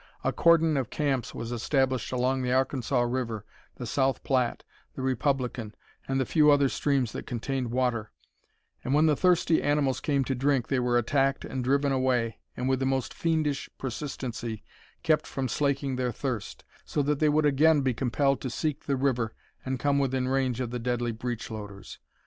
A cordon of camps was established along the Arkansas River, the South Platte, the Republican, and the few other streams that contained water, and when the thirsty animals came to drink they were attacked and driven away, and with the most fiendish persistency kept from slaking their thirst, so that they would again be compelled to seek the river and come within range of the deadly breech loaders.